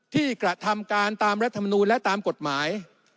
กระทำการตามรัฐมนูลและตามกฎหมาย